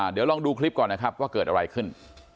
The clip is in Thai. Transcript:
เดี๋ยวลองดูคลิปก่อนนะครับว่าเกิดอะไรขึ้น